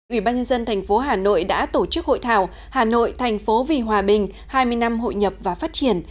ủy ban nhân dân thành phố hà nội đã tổ chức hội thảo hà nội thành phố vì hòa bình hai mươi năm hội nhập và phát triển